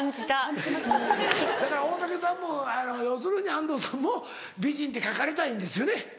だから大竹さんも要するに安藤さんも美人って書かれたいんですよね？